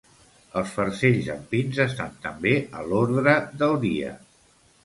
Els farcells amb pins estan també a l'ordre del dia.